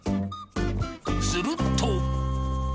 すると。